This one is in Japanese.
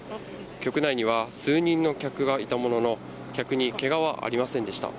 局内には数人の客がいたものの、客にけがはありませんでした。